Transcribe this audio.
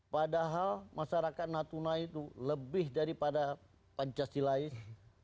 padahal masyarakat natuna itu lebih daripada pancasilais